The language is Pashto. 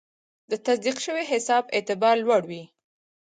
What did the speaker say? د تصدیق شوي حساب اعتبار لوړ وي.